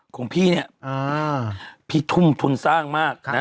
ของพี่เนี่ยพี่ทุ่มทุนสร้างมากนะ